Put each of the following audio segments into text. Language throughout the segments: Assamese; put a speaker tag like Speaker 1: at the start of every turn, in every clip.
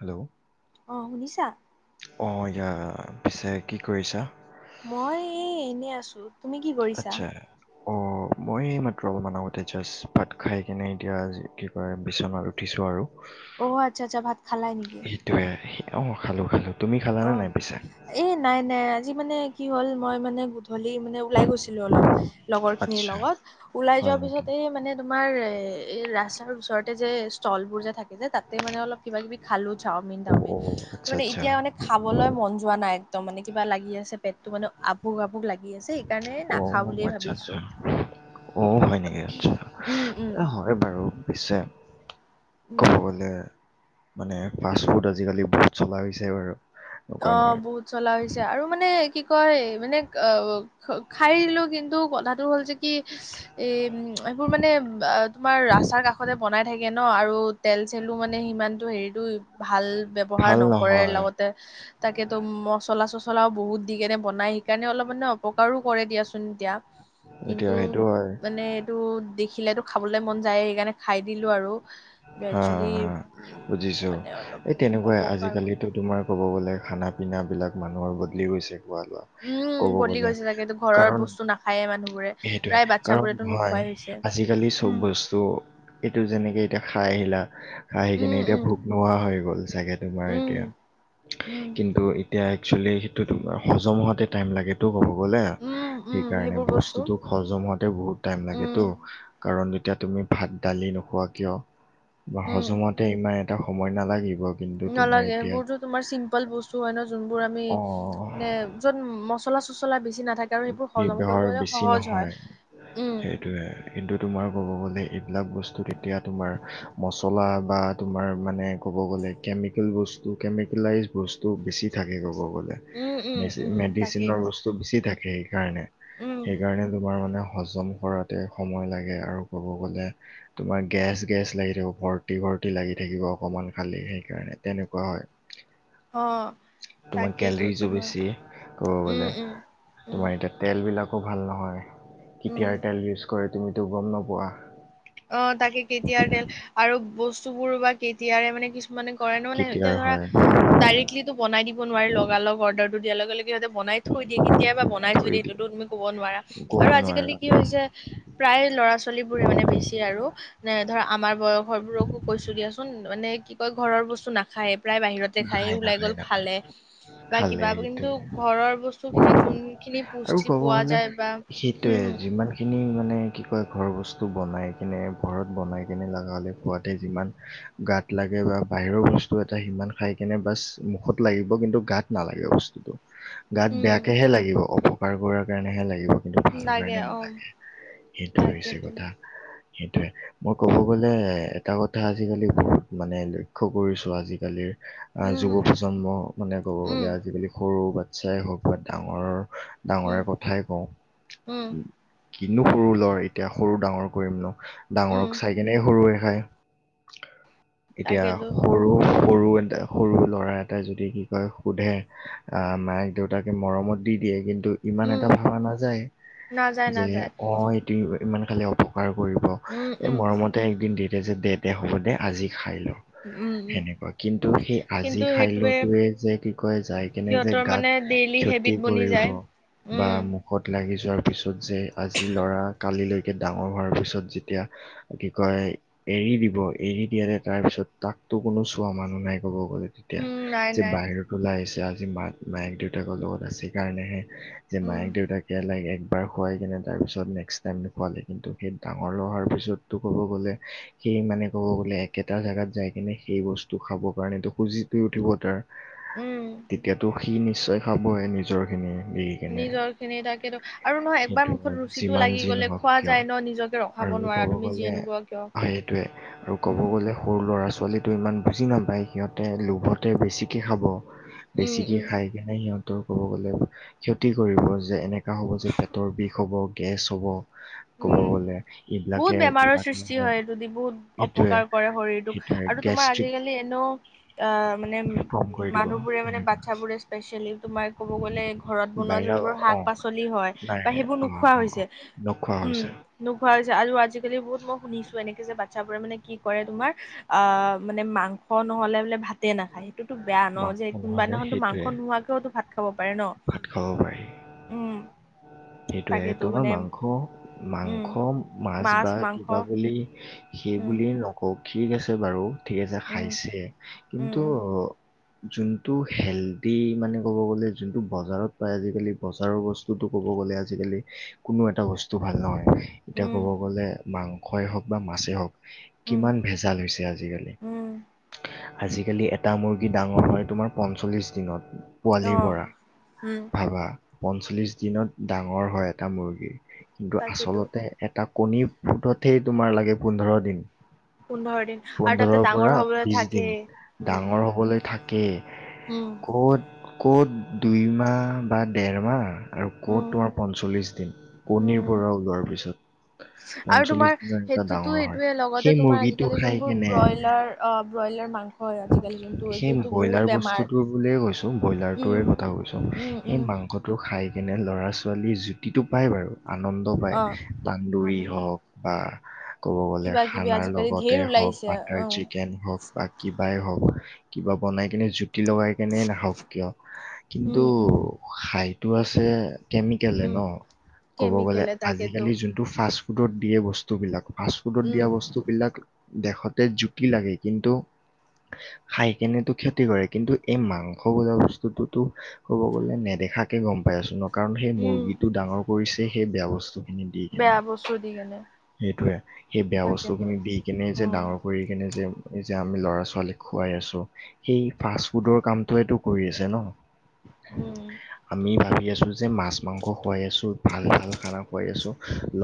Speaker 1: হেল্ল'
Speaker 2: অ ', শুনিছা?
Speaker 1: অ', ইয়া পিছে কি কৰিছা?
Speaker 2: মই, এই এনেই আছো। তুমি কি কৰিছা
Speaker 1: আচ্ছা, অ', মই এইমাত্ৰ অলপমান আগতে জাষ্ট ভাত খাই কিনে এতিয়া কি কয় বিচনাত উঠিছোঁ আৰু।
Speaker 2: অ, 'আচ্ছা, আচ্ছা, ভাত খালাই নেকি?
Speaker 1: [unintelligible] অ', খালো খালো।
Speaker 2: অ', এই নাই, নাই, আজি মানে কি হ'ল মই মানে গধূলি মানে ওলাই গৈছিলো অলপ, লগৰ খিনিৰ
Speaker 1: আচ্ছা
Speaker 2: লগত ওলাই
Speaker 1: হয়
Speaker 2: যোৱাৰ
Speaker 1: নেকি
Speaker 2: পিছতে মানে তোমাৰ এ, এ ৰাস্তাৰ ওচৰতে যে ষ্টল বোৰ যে থাকি যে তাতে মানে অলপ কিব কিবি খালো চাওমিন,
Speaker 1: অঁ
Speaker 2: তাওমিন
Speaker 1: অঁ আচ্ছা
Speaker 2: মানে
Speaker 1: আচ্ছা
Speaker 2: এতিয়া অ', খাবলৈ মন যোৱা নাই, একদম মানে কিবা লাগি আছে পেটটো মানে আভুক আভুক লাগি আছে। সেইকাৰণে নাখাওঁ
Speaker 1: অ',
Speaker 2: বুলিয়ে
Speaker 1: আচ্ছা,
Speaker 2: ভাবিছো
Speaker 1: আচ্ছা, অ', হয় নেকি?
Speaker 2: উম উম
Speaker 1: হয় বাৰু পিছে
Speaker 2: উম,
Speaker 1: ক'ব মানে, ফাষ্টফুড আজিকালি বহুত চলা হৈছে বাৰু
Speaker 2: অ
Speaker 1: নোকোৱা নহয়
Speaker 2: ', বহুত চলা হৈছে আৰু মানে, কি কয় মানে অ খাই দিলো কিন্তু কথাটো হ'ল যে কি এই এইবোৰ মানে তোমাৰ ৰাস্তাৰ কাষতে বনাই থাকে ন আৰু তেল চেলো মানে সিমানটো হেৰিটো ভাল ব্যৱহাৰ
Speaker 1: ভাল
Speaker 2: নকৰে
Speaker 1: নহয়
Speaker 2: লগতে তাকেতো মচলা চচলাও বহুত দি কেনে বনাই, সেইকাৰণে অলপ মানে অপকাৰো কৰে দিয়াচোন এতিয়া।
Speaker 1: এতিয়া
Speaker 2: কিন্তু
Speaker 1: সেইটো হয়
Speaker 2: মানে টো দেখিলেতো খাবলৈ মন যায়ে, সেইকাৰণে খাই দিলো আৰু।
Speaker 1: হা,
Speaker 2: একচুৱেলি
Speaker 1: বুজিছো
Speaker 2: মানে অলপ
Speaker 1: এই তেনেকুৱাই
Speaker 2: অপকাৰ কৰে
Speaker 1: আজিকালিতো তোমাৰ ক'ব গ'লে খানা পিনা বিলাক মানুহৰ বদলি গৈছে খোৱা লোৱা
Speaker 2: উম
Speaker 1: কব
Speaker 2: বদলি
Speaker 1: গ'লে,
Speaker 2: গৈছে চাগে এইটো ঘৰৰ
Speaker 1: কাৰণ
Speaker 2: বস্তু নাখায়ে মানুহবোৰে
Speaker 1: সেইটোৱে
Speaker 2: প্ৰায়
Speaker 1: কাৰণ
Speaker 2: বাচ্ছাবোৰেতো
Speaker 1: নহয়
Speaker 2: নোখোৱাই হৈছে
Speaker 1: আজিকালি চব
Speaker 2: উম
Speaker 1: ব টো' এইটো যেনেকে এতিয়া খাই আহিলা, খাই আহি কিনে
Speaker 2: উম
Speaker 1: এতিয়া
Speaker 2: উম
Speaker 1: ভোক নোহোৱা হৈ গ'ল চাগেতো তোমাৰ
Speaker 2: উম
Speaker 1: এতিয়া,
Speaker 2: উম
Speaker 1: কিন্তু এতিয়া একচুৱেলি সেইটো তোমাৰ হজম হোৱাতে টাইম লাগে টো ক'ব গ'লে,
Speaker 2: উম উম
Speaker 1: সেইকাৰণে
Speaker 2: সেইবোৰ বস্তু
Speaker 1: বস্তুটো হজম হওতে বহুত টাইম লাগে টো।
Speaker 2: উম
Speaker 1: কাৰণ, যেতিয়া তুমি ভাত, দালি নোখোৱা কিয়? বা
Speaker 2: উম
Speaker 1: হজমতে ইমান এটা সময় নালাগিব। কিন্তু তোমাৰ
Speaker 2: নালাগে
Speaker 1: এতিয়া
Speaker 2: বুতত তোমাৰ চিম্পল বস্তু হয় ন, যোনবোৰ আমি
Speaker 1: অ
Speaker 2: নে য'ত মচলা চচলা বেছি নাথাকে আৰু সেইবোৰ হজম
Speaker 1: ব্যৱহাৰ
Speaker 2: কৰিবলৈ
Speaker 1: বেছি
Speaker 2: সহজ হয়
Speaker 1: নহয়
Speaker 2: উম
Speaker 1: সেইটোয়ে। কিন্তু তোমাৰ ক'ব গ'লে এইবিলাক বস্তু এতিয়া তোমাৰ মছলা বা তোমাৰ মানে ক'ব গ'লে কেমিকেল বস্তু কেমিকেলাইজ বস্তু বেছি থাকে ক'ব গ'লে।
Speaker 2: উম উম
Speaker 1: মেচি
Speaker 2: উম তাকে
Speaker 1: মেডিচিনৰ বস্ বেছি থাকে সেইকাৰণে
Speaker 2: উম
Speaker 1: সেইকাৰণে তোমাৰ মানে হজম কৰা তে সময় লাগে আৰু ক'ব গ'লে তোমাৰ গেছ গেছ লাগি থাকিব ভৰ্তি ভৰ্তি লাগি থাকিব অকমান খালে সেইকাৰণে তেনেকুৱা হয়।
Speaker 2: অ
Speaker 1: তোমাৰ
Speaker 2: তাকেইতো
Speaker 1: কেলৰিজো
Speaker 2: তোমাৰ
Speaker 1: বেছি ক'ব
Speaker 2: উম
Speaker 1: গলে
Speaker 2: উম উম
Speaker 1: তোমাৰ এতিয়া তেলবিলাকো ভাল নহয়
Speaker 2: উম
Speaker 1: কেতিয়াৰ তেল ইউজ কৰে তুমিতো গম নপোৱা
Speaker 2: অ তাকে কেতিয়াৰ তেল আৰু বস্তুবোৰ বা কেতিয়াৰে মানে কিছু মানে কৰে ন মানে এতিয়া
Speaker 1: কেতিয়াৰ
Speaker 2: ধৰা
Speaker 1: হয়
Speaker 2: ডাইৰেক্টলিটো বনাই দিব নোৱাৰে লগা লগ অৰ্ডাৰটো দিয়াৰ লগে লগে সিহঁতে বনাই থৈ দিয়ে কেতিয়াবা বনাই থৈ দিয়ে সেইটোতো তুমি কব নোৱাৰা
Speaker 1: ক'ব
Speaker 2: আৰু
Speaker 1: নোৱাৰা
Speaker 2: আজিকালি কি হৈছে প্ৰায় ল'ৰা ছোৱালী বোৰে মানে বেছি আৰু ন ধৰ আমাৰ বয়স বোৰকো কৈছো দিয়াচোন মানে কি কয় ঘৰৰ বস্তু নাখায় প্ৰায় বাহিৰত দেখাই
Speaker 1: নাখায়
Speaker 2: ওলাই
Speaker 1: নাখায়
Speaker 2: গ'ল
Speaker 1: নাখায়
Speaker 2: খালে বা
Speaker 1: খালে
Speaker 2: কিবা কিন্তু
Speaker 1: সেইটোৱে
Speaker 2: ঘৰৰ বস্তু খিনি যোন
Speaker 1: আৰু ক'ব গলে সেইটোয়ে
Speaker 2: উম উম
Speaker 1: যিমান কিনি মানে কি কয় ঘৰ বস্তু বনাই কিনে ঘৰত বনাই কিনে লাগা হলে খোৱাতে যিমান গাত লাগে বা বাহিৰৰ বস্তু এটা সিমান খাই কেনে বাচ্ মুখত লাগিব কিন্তু গাত নালাগে বস্তুটো গাত বেয়াকেহে লাগিব অপকাৰ কৰাৰ কাৰণেহে লাগিব কিন্ত
Speaker 2: উম
Speaker 1: ভাল
Speaker 2: লাগে
Speaker 1: কাৰণে
Speaker 2: অ
Speaker 1: নালাগে সেইটো হৈছে
Speaker 2: তাকেতো
Speaker 1: কথা সেইটোয়ে মই কব গ'লে এটা কথা আজিকালি বহুত মানে লক্ষ্য কৰিছো আজিকালিৰ আহ যুৱ
Speaker 2: উম,
Speaker 1: প্ৰজন্ম মানে ক'ব গ'লে
Speaker 2: উম,
Speaker 1: আজিকালি সৰু বাচ্ছাই হওক বা ডাঙৰ
Speaker 2: উম,
Speaker 1: ডাঙৰে কথাই কওঁ
Speaker 2: উম,
Speaker 1: কিনো সৰু লৰ এতিয়া সৰু ডাঙৰ কৰিম ন
Speaker 2: উম,
Speaker 1: ডাঙৰক চাই কেনে সৰুৱে খাই এতিয়া
Speaker 2: তাকেতো
Speaker 1: সৰু সৰু এটা সৰু ল'ৰা এটাই যদি কি কয় সোধে আহ মাক দেউতাকে মৰমত দি দিয়ে কিন্তু ইমান
Speaker 2: উম,
Speaker 1: এটা ভাৱা নাযায়
Speaker 2: নাযায়
Speaker 1: যে
Speaker 2: নাযায়
Speaker 1: অ এইটো ইমান খালে অপকাৰ কৰিব
Speaker 2: উম,
Speaker 1: এই
Speaker 2: উম,
Speaker 1: মৰমতে এদিন দিদিয়ে দে দে হব দে আজি খাই ল
Speaker 2: উম, উম,
Speaker 1: সেনেকুৱা কিন্তু সেই আজি
Speaker 2: কিন্তু
Speaker 1: খাই ল
Speaker 2: সেইটোৱে
Speaker 1: টোয়ে যে কি কয় যায় কেনে যে
Speaker 2: সিহঁতৰ
Speaker 1: গাত
Speaker 2: মানে ডেইলি হেবিট
Speaker 1: ক্ষতি
Speaker 2: বনি
Speaker 1: কৰিব
Speaker 2: যায়।
Speaker 1: বা
Speaker 2: উম,
Speaker 1: মুখত লাগি যোৱাৰ পিছত যে আজি ল'ৰা কালিলৈ ডাঙৰ হোৱাৰ পিছত যেতিয়া এ কি কয় এৰি দিব এৰি দিয়ালে তাৰ পিছত তাকতো কোনো চোৱা মানুহ নাই ক'ব গ'লে তেতিয়া
Speaker 2: উম, নাই
Speaker 1: যে
Speaker 2: নাই
Speaker 1: বাহিৰত ওলাই আহিছে আজি মাক নাই দেউতাকৰ লগত আছে সেইকাৰণেহে যে
Speaker 2: উম,
Speaker 1: মায়েক দেউতা কিএ লাগে এবাৰ খোৱাই কিনে তাৰপিছত নেক্স টাইম নখুৱালে কিন্তু ডাঙৰ নোহোৱাৰ পিছতো ক'ব গ'লে সেই মানে ক'ব গলে একেটা জাগাত যাই কিনে সেই বস্তু খাবৰ কাৰণেটো খুজি লি উঠিব তাৰ
Speaker 2: উম,
Speaker 1: তেতিয়াতো সি নিশ্চয় খাবই নিজৰ খিনি দি কেনে।
Speaker 2: নিজৰ খিনি তাকে ত আৰু নহ একবাৰ
Speaker 1: সেইটোৱে
Speaker 2: মুখত ৰুচিটো
Speaker 1: যিমান
Speaker 2: লাগি
Speaker 1: যি
Speaker 2: গলে
Speaker 1: নহওক
Speaker 2: খোৱা
Speaker 1: কিয়
Speaker 2: যায় ন নিজকে ৰখ
Speaker 1: আৰু ক'ব গ'লে হা সেইটোৱে আৰু ক'ব
Speaker 2: উম,
Speaker 1: গ'লে সৰু ল'ৰা ছোৱালীটো ইমান বুজি নাপায় সিহঁতে লোভতে বেছিকে খাব
Speaker 2: উম,
Speaker 1: বেছিকে
Speaker 2: উম,
Speaker 1: খাই কেনে সিহঁতৰ ক'ব গলে ক্ষতি কৰিব যে এনে হ'ব যে পেটৰ বিষ হ'ব গেছ হ'ব ক'ব
Speaker 2: উম
Speaker 1: গ'লে
Speaker 2: বহুত
Speaker 1: এইবিলাকে
Speaker 2: বেমাৰৰ
Speaker 1: লগা
Speaker 2: সৃষ্টি
Speaker 1: লগে
Speaker 2: হয় এইটোদি বহুত
Speaker 1: সেইটোৱে
Speaker 2: অপকাৰ কৰে শৰীৰটোক
Speaker 1: সেইটোৱে
Speaker 2: আৰু তোমাৰ
Speaker 1: গেষ্ট্ৰিক
Speaker 2: আজিকালি এনেও অ মানে
Speaker 1: ফৰ্ম
Speaker 2: উ
Speaker 1: কৰি দিব
Speaker 2: মানুহ বোৰে মানে
Speaker 1: এনেকুৱা
Speaker 2: বাচ্ছু বোৰে স্পেচিয়েলি তোমাৰ কব গলে ঘৰত বনোৱা
Speaker 1: বাহিৰা
Speaker 2: যোনবোৰ
Speaker 1: অ
Speaker 2: শাক পাচলি হয়
Speaker 1: নাই
Speaker 2: বা সেইবোৰ
Speaker 1: অ
Speaker 2: নোখোৱা
Speaker 1: অ অ
Speaker 2: হৈছে
Speaker 1: নোখোৱা
Speaker 2: উম
Speaker 1: হৈছে
Speaker 2: নোখোৱা হৈছে আও আজিকালি বহুত মই শুনিছো এনেকে যে বাচ্ছাবোৰে মানে কি কৰে তোমাৰ আ মানে মাংস নহ'লে বোলে ভাত তে নাখায়। সেইটোতো বেয়া ন, যে
Speaker 1: মাংস নহ'লে
Speaker 2: কোনোবাদিনাখনতো মাংস
Speaker 1: সেইটোৱে
Speaker 2: নোহোৱাকো ভাত খাব পাৰে ন।
Speaker 1: ভাত খাব পাৰি,
Speaker 2: উম
Speaker 1: সেইটোৱে
Speaker 2: তাকেতো
Speaker 1: তোমাৰ
Speaker 2: মানে
Speaker 1: মাং
Speaker 2: উম
Speaker 1: মাংস, মাছ বা কিবা বুলি সেই
Speaker 2: উম
Speaker 1: বুলি নক কৌক ঠিক আছে বাৰু, ঠিক আছে
Speaker 2: উম
Speaker 1: খাইছে
Speaker 2: উম
Speaker 1: কিন্তু
Speaker 2: উম
Speaker 1: যোনটো হেলডি মানে ক'ব গ'লে যোনটো বজাৰত পায় আজিকালি বজাৰৰ বস্ত তোতো ক'ব গ'লে আজিকালি কোনো এটা বস্তু ভাল নহয়। এতিয়া
Speaker 2: উম
Speaker 1: ক'ব গ'লে মাংসই হওক বা মাছেই হওক
Speaker 2: উম,
Speaker 1: কিমান ভেজাল হৈছে আজিকালি।
Speaker 2: উম,
Speaker 1: আজিকালি এটা মুৰ্গী ডাঙৰ হয় তোমাৰ পঞ্চল্লিছ দিনত। পোৱালিৰ
Speaker 2: অ',
Speaker 1: পৰা
Speaker 2: উম,
Speaker 1: ভাবা, পঞ্চল্লিছ দিনত ডাঙৰ হয় এটা মুৰ্গী। কিন্তু
Speaker 2: তাকেতো
Speaker 1: আচলতে এটা কণী ফুটতেই তোমাৰ লাগে পোন্ধৰ দিন।
Speaker 2: পোন্ধৰ দিন। আৰু তাতে
Speaker 1: পোন্ধৰৰ
Speaker 2: ডাঙৰ
Speaker 1: পৰা
Speaker 2: হ'বলৈ
Speaker 1: বিছ দিন
Speaker 2: থাকেই উম,
Speaker 1: ডাঙৰ হবলৈ থাকে।
Speaker 2: উম।
Speaker 1: ক'ত ক'ত দুই মাহ বা ডেৰ মাহ আৰু ক'ত
Speaker 2: উম,
Speaker 1: তোমাৰ পঞ্চল্লিছ দিন কণীৰ
Speaker 2: উম,
Speaker 1: পৰা ওলোৱাৰ পিছত।
Speaker 2: আৰু তোমাৰ
Speaker 1: পঞ্চল্লিশ দিনৰ এটা
Speaker 2: সেইটোতো
Speaker 1: ডাঙৰ হয়
Speaker 2: সেইটোয়ে লগতে
Speaker 1: সেই
Speaker 2: তোমাৰ
Speaker 1: মুৰ্গীটো
Speaker 2: আজিকালি
Speaker 1: খাই
Speaker 2: যোনবোৰ
Speaker 1: নে,
Speaker 2: ব্ৰইলাৰ অ', ব্ৰইলাৰ মাংস হয় আজিকালি যোনটো
Speaker 1: সে
Speaker 2: এইটোতো বহুত
Speaker 1: ব্ৰইলাৰ
Speaker 2: বেমাৰ
Speaker 1: বস্তুটো তোৰ বুলিয়ে কৈছো। তোম
Speaker 2: উম,
Speaker 1: ব্ৰইলাৰটোৰে কথা কৈছো
Speaker 2: উম,
Speaker 1: এই
Speaker 2: উম,
Speaker 1: মাং সটো খাই কেনে ল'ৰা-ছোৱালীৰ জুতিটো পায় বাৰু। আনন্দ বাই
Speaker 2: অ',
Speaker 1: বান্দৰী
Speaker 2: আনন্দ
Speaker 1: হওক বা ক'ব গ'লে
Speaker 2: কিবা কিবি
Speaker 1: খানাৰ
Speaker 2: আজিকালি
Speaker 1: লগতে
Speaker 2: ঢেৰ
Speaker 1: হওক।
Speaker 2: ওলাইছে অ',
Speaker 1: টেন হওক বা কিবাই হওক কিবা বনাই কিনে জুতি লগাই কেনেই নেখাওঁক কিয় কিন্তু
Speaker 2: উম, উম,
Speaker 1: খায়টো আছে। কেমিকেলে
Speaker 2: উম,
Speaker 1: ন ক'ব গ'লে
Speaker 2: কেমিকেলে তাকেতো
Speaker 1: আজিকালি যোনটো ফাষ্টফুডত দিয়ে বস্তুবিলাক ফাষ্টু ঔষধত
Speaker 2: উম,
Speaker 1: দিয়া বস্তুবিলাক দেখোতে জুতি লাগে কিন্তু খাই কেনেটো ক্ষতি কৰে কিন্তু এই মাংস বনুৱা বস্তুটোতো ক'ব গ'লে নেদেখাকে গম পাই আছো ন কাৰণ সেই
Speaker 2: উম,
Speaker 1: মুৰ্গীটো ডাঙৰ কৰিছে সেই বেয়া বস্তু খিনি দি কেনে।
Speaker 2: বেয়া বস্তু দি কেনে
Speaker 1: সেইটোয়ে সেই বেয়া বস্তু
Speaker 2: তাকেতো
Speaker 1: খিনি দি কেনে যে
Speaker 2: উম।
Speaker 1: ডাঙৰ কৰি কিনে যে এই যে আমি ল'ৰা-ছোৱালীক খুৱাই আছো। সেই ফাষ্ট ফুডৰ কামটোৱে টো কৰি আছে ন।
Speaker 2: উম,
Speaker 1: আমি ভাবি আছো যে মাছ মাংস খুৱাই আছো, ভাল ভাল খানা খুৱাই আছো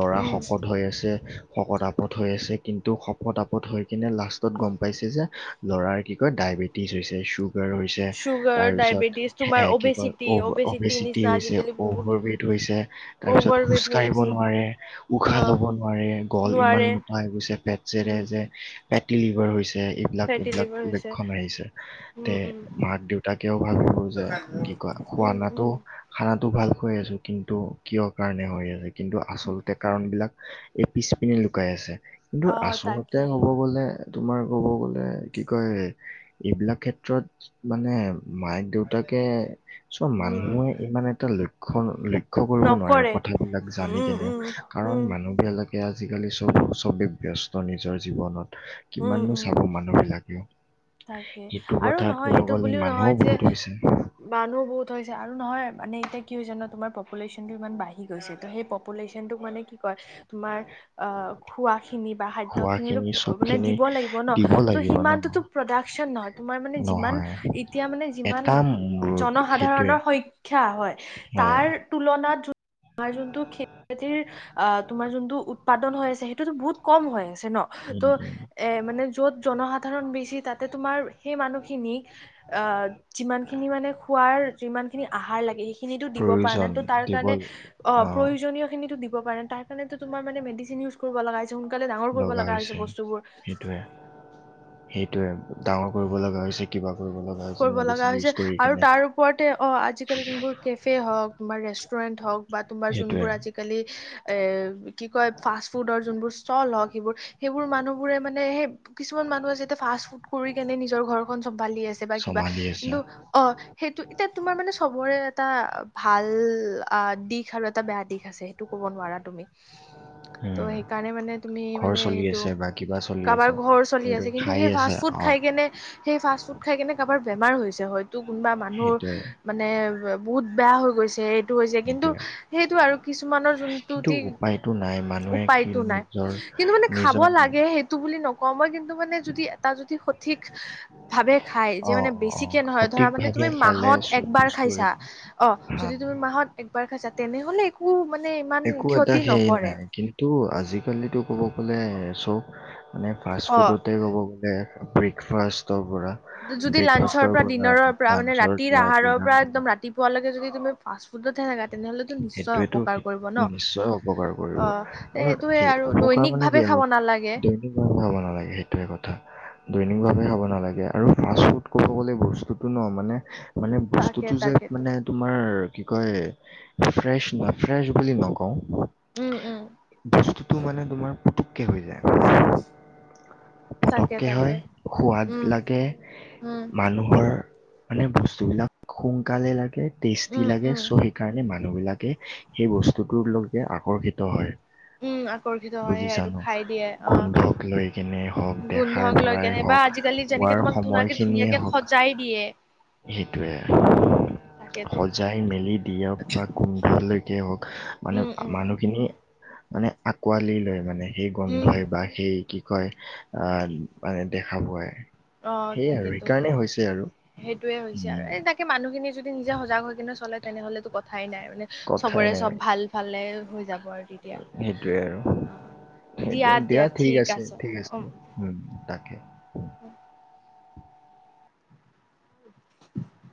Speaker 1: লৰা
Speaker 2: উম।
Speaker 1: শকত হৈ আছে শকত আপত হৈ আছে। কিন্তু শপত আপত হৈ কিনে লাষ্টত গম পাইছে যে ল'ৰাৰ কি কয় ডায়বেটিছ হৈছে চুগাৰ হৈছ যে
Speaker 2: চুগাৰ,
Speaker 1: তাৰপিছত
Speaker 2: ডায়বেটিছ তোমাৰ
Speaker 1: এয়াই কি কয়
Speaker 2: অবেচিটি, অবেচিটি
Speaker 1: ভবেচিটি
Speaker 2: নিচিনা
Speaker 1: হৈছে
Speaker 2: আজিকালি বহুত
Speaker 1: অভাৰ ৱেইট হৈছে
Speaker 2: অভাৰ
Speaker 1: তাৰপিছত
Speaker 2: ৱেইট হৈ
Speaker 1: খোজকাঢ়িব
Speaker 2: গৈছে।
Speaker 1: নোৱাৰে, উশাহ
Speaker 2: অ'
Speaker 1: ল'ব নোৱাৰে, গল
Speaker 2: নোৱাৰে
Speaker 1: ইমান মোটা হৈ গৈছে, পেট যেৰে
Speaker 2: উম,
Speaker 1: যে পেটিলিভাৰ হৈছে এইবিলাক
Speaker 2: ফেটি
Speaker 1: এইবিলাক
Speaker 2: লিভাৰ হৈছে।
Speaker 1: লক্ষণ আহিছে। তে
Speaker 2: উম,
Speaker 1: মাক দেউতাকেও ভাবিলো যে
Speaker 2: উম।
Speaker 1: কি কয়
Speaker 2: উম,
Speaker 1: খুৱানাতো
Speaker 2: উম।
Speaker 1: খানাটো ভাল খায় আছো কিন্তু কিয় কাৰণে হৈ আছে কিন্তু আচলতে কাৰণবিলাক এই পিছপিনে লুকাই আছে। কিন্তু
Speaker 2: অ'
Speaker 1: আচলতে
Speaker 2: তাকে।
Speaker 1: হব গ'ল নে তোমাৰ ক'ব গলে কি কয় এইবিলাক ক্ষেত্ৰত মানে মাইন দেউতাকে চব
Speaker 2: উম, উম,
Speaker 1: মানুহে ইমান এটা লক্ষণ লক্ষ লক্ষ্য কৰিব নোৱাৰে,
Speaker 2: নকৰে।
Speaker 1: কথাবিলাক জানি
Speaker 2: উম,
Speaker 1: কেনে,
Speaker 2: উম, উম,
Speaker 1: কাৰণ মানুহবিলাকে আজিকালি চব, চবেই ব্যস্ত নিজৰ জীৱনত।
Speaker 2: উম,
Speaker 1: কিমাননো
Speaker 2: উম,
Speaker 1: চাব মানুহবিলাকে।
Speaker 2: তাকে।
Speaker 1: সেইটো
Speaker 2: আৰু
Speaker 1: কথা‌ ক'ব গ'লে মানুহও বহুত হৈছে।
Speaker 2: মানুহো বহুত হৈছে, আৰু নহয় মানে, এতিয়া কি হৈছে জানা তোমাৰ প্পুলেশ্যনটো ইমান বাঢ়ি গৈছেটো। সেই প্পুলেশ্যনটো মানে কি কয়, তোমাৰ অ', খোৱা খিনি বা খাদ্য খিনিতো
Speaker 1: খোৱাখিনি
Speaker 2: মানে
Speaker 1: চবখিনি
Speaker 2: দিব লাগিব ন,
Speaker 1: দিব
Speaker 2: ত'
Speaker 1: লাগিব ন
Speaker 2: সিমানটোতো প্ৰডাক্টচন নহয়, তোমাৰ মানে যিমান,
Speaker 1: নহয়
Speaker 2: এতিয়া মানে যিমান
Speaker 1: এটা মুৰ্গী সেইটোৱে
Speaker 2: জনসাধাৰণৰ সংখ্যা হয়,
Speaker 1: হয়
Speaker 2: তাৰ তুলনাত তোমাৰ যোনটো খেতি-বাতিৰ, অ', তোমাৰ যোনটো উৎপাদন হৈ আছে, সেইটোতো বহুত কম হৈ আছে ন।
Speaker 1: উম,
Speaker 2: ত'
Speaker 1: উম।
Speaker 2: এ মানে য'ত জনসাধাৰণ বেছি, তাতে তোমাৰ সেই মানুহখিনিক অ', যিমান খিনি মানে খোৱাৰ, যিমান খিনি আহাৰ লাগে, সেইখিনি কিনিটো দিব পৰা
Speaker 1: প্ৰয়োজন
Speaker 2: নাই, ত' তাৰ
Speaker 1: দিব
Speaker 2: কাৰণে, অ', প্ৰয়োজনীয় খিনিতো দিব পাৰে। তাৰ সেইকাৰণেটো, তোমাৰ মানে মেডিচিন ইউজ কৰিব লগা হৈছে, সোনকালে ডাঙৰ কৰিব লগা হৈছে বস্তুবোৰ।
Speaker 1: সেইটোৱে সেইটোৱে, ডাঙৰ কৰিব লগা হৈছে। কিবা কৰিব লগা হৈ
Speaker 2: কৰিব লগা হৈছে, আৰু তাৰ ওপৰতে অ', আজিকালি, যোনবোৰ কেফে হওক তোমাৰ ৰেষ্টুৰেণ্ট হওক, বা তোমাৰ
Speaker 1: সেইটোৱে
Speaker 2: যোনবোৰ আজি কালি এ, কি কয়, ফাষ্ট-ফুডৰ যোনবোৰ ষ্টল হওক সেইবোৰ, সেইবোৰ মানুহবোৰে মানে সেই কিছুমান মানুহ আছে, এতিয়া ফাষ্ট-ফুড কৰি কেনে, নিজৰ ঘৰখন চম কিবা, কিবা,
Speaker 1: চম্ভালি আছে
Speaker 2: কিন্তু অ'। সেইটো, এতিয়া তোমাৰ মানে চবৰে, এটা ভাল আ দিশ আৰু এটা বেয়া দিশ আছে। টো ক'ব নোৱাৰা তুমি। ত'
Speaker 1: উম
Speaker 2: সেইকাৰণে মানে, তুমি
Speaker 1: ঘৰ
Speaker 2: মানে,
Speaker 1: চলি
Speaker 2: এইটো
Speaker 1: আছে বা কিবা চলি
Speaker 2: কাৰোবাৰ
Speaker 1: আছে
Speaker 2: ঘৰ চলি আছে, কিন্তু
Speaker 1: খাই
Speaker 2: সেই,
Speaker 1: আছে
Speaker 2: ফাষ্ট ফুড
Speaker 1: অ
Speaker 2: খাই কেনে সেই ফাষ্ট-ফুড খাই কেনে কাৰবাৰ বেমাৰ হৈছে, হয়তো, কোনোবা মানুহৰ
Speaker 1: সেইটোৱে
Speaker 2: মানে, বহুত বেয়া হৈ গৈছে। এই হৈছে, কিন্তু
Speaker 1: সেইটোৱে
Speaker 2: সেইটো আৰু কিছুমানৰ
Speaker 1: কিন্তু
Speaker 2: যোনটোতি,
Speaker 1: উপায়তো নাই মানুহে কি
Speaker 2: উপায়টো নাই।
Speaker 1: নিজৰ
Speaker 2: কিন্তু মানে খাব
Speaker 1: নিজৰ
Speaker 2: লাগে, সেইটো বুলি নকওঁ, মই কিন্তু মানে, যদি এটা যদি সঠিক ভাৱে খাই, যে
Speaker 1: অ
Speaker 2: মানে
Speaker 1: অ অ
Speaker 2: বেছিকে নহয়, ধৰা মানে তুমি,
Speaker 1: সঠিকভাৱে খালে
Speaker 2: মাহত
Speaker 1: চব
Speaker 2: একবাৰ
Speaker 1: বস্তুৰে
Speaker 2: খাইছা, অ'।
Speaker 1: হা
Speaker 2: যদি তুমি মাহত একবাৰ খাইছা, তেনেহ'লে একো মানে ইমান ক্ষতি নকৰে।
Speaker 1: টো আজিকালিতো, ক'ব গ'লে, চব মানে
Speaker 2: অ
Speaker 1: ফাষ্ট-ফুডতে ক'ব গ'লে, ব্ৰী ফাৰ্ষষ্টট' পৰা।
Speaker 2: যদি লাঞ্চৰ
Speaker 1: ব্ৰেকফাষ্টৰ
Speaker 2: পৰা ডিনাৰৰ পৰা, মানে
Speaker 1: লাঞ্চৰ
Speaker 2: ৰাতিৰ
Speaker 1: পৰা
Speaker 2: আহাৰৰ
Speaker 1: ডিনাৰ
Speaker 2: পৰা একদম ৰাতিপুৱালৈকে যদি তুমি ফাষ্টফুডতে হেই তেনেকা, তেনেহ'লেতো নিশ্চয়
Speaker 1: সেইটোৱেতো
Speaker 2: অপকাৰ
Speaker 1: সি-
Speaker 2: কৰিব ন,
Speaker 1: নিশ্চয় অপকাৰ কৰিব
Speaker 2: অ'।
Speaker 1: আৰু
Speaker 2: সেইটোয়ে
Speaker 1: সেই
Speaker 2: আৰু
Speaker 1: অপকাৰ
Speaker 2: দৈনিক
Speaker 1: মানে কি
Speaker 2: ভাৱে
Speaker 1: আৰু
Speaker 2: খাব নালাগে।
Speaker 1: খাব নালাগে সেইটোয়ে কথা, দৈনিক ভাৱে খাব নালাগে। আৰু ফাষ্ট-ফুড ক'ব গ'লে, বস্তুটো ন, মানে, মানে
Speaker 2: তাকে
Speaker 1: বস্তুটো যে
Speaker 2: তাকেতো
Speaker 1: মানে তোমাৰ কি কয়, ফ্ৰেছ ন ফ্ৰেছ বুলি নকওঁ।
Speaker 2: উম, উম।
Speaker 1: বস্তুটো মানে, তোমাৰ পুতুককে হৈ যায়।
Speaker 2: তাকে
Speaker 1: পতককে হয়,
Speaker 2: তাকে
Speaker 1: সোৱাদ
Speaker 2: উম
Speaker 1: লাগে,
Speaker 2: উম
Speaker 1: মানুহৰ মানে বস্তু বিলাক, সোনকালে লাগে, টেষ্টি
Speaker 2: উম
Speaker 1: লাগে, চ'
Speaker 2: উম
Speaker 1: সেইকাৰণে মানুহ বিলাকে সেই বস্তুটোলৈকে আকৰ্ষিত হয়।
Speaker 2: উম আকৰ্ষিত হয়
Speaker 1: বুজিছা
Speaker 2: সেয়াইটো
Speaker 1: ন
Speaker 2: খাই দিয়ে অ
Speaker 1: গোন্ধক লৈ কেনে হওক দেখাৰ পৰাই হওক
Speaker 2: আজি কালি যেনেকে
Speaker 1: শোৱাৰ
Speaker 2: তোমাক ধুনাকে
Speaker 1: সময়খিনিয়ে
Speaker 2: ধুনীয়াকে
Speaker 1: হওক
Speaker 2: সজাই দিয়ে
Speaker 1: সেইটোৱে
Speaker 2: উম তাকেতো
Speaker 1: সজাই মেলি দিয়ক বা গোন্ধালৈকে হওক মানে
Speaker 2: উম উম
Speaker 1: মানুহখিনি মানে আকোৱালি লয় মানে সেই
Speaker 2: উম
Speaker 1: গন্ধই বা সেই কি ক আহ মানে দেখা পায়
Speaker 2: অ
Speaker 1: সেইয়াই আৰু
Speaker 2: তাকেতো
Speaker 1: সেইকাৰণে হৈছে আৰু
Speaker 2: সেইটোয়ে হৈছে আৰু
Speaker 1: উম
Speaker 2: এই তাকে মানুহখিনি যদি নিজে সজাগ হৈ কিনে চলে তেনেহ'লেতো ক কথাই নাই মানে
Speaker 1: কথাই
Speaker 2: চবৰে
Speaker 1: নাই
Speaker 2: চব
Speaker 1: আৰু
Speaker 2: ভাল ভালে হৈ যাব হ তেতিয়া
Speaker 1: সেইটোৱে আৰু
Speaker 2: অ দিয়া দিয়া ঠিক আছে উ
Speaker 1: উ তাকে
Speaker 2: [inaudible]